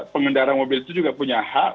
pengendara mobil itu juga punya hak